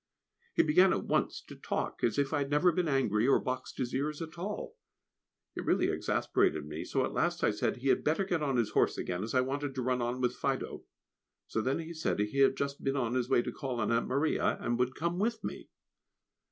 He began at once to talk, as if I had never been angry or boxed his ears at all! It really exasperated me, so at last I said he had better get on his horse again, as I wanted to run on with Fido; so then he said he had just been on his way to call on Aunt Maria, and would come with me.